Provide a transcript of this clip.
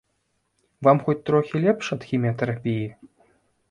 Вам хоць трохі лепш ад хіміятэрапіі?